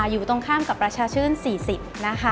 อยู่ตรงข้ามกับประชาชื่น๔๐นะคะ